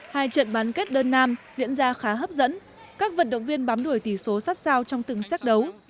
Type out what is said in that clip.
hai trận bán kết đơn nam diễn ra khá hấp dẫn các vận động viên bám đuổi tỷ số sát sao trong từng xét đấu